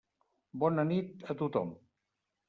Bona nit a tothom.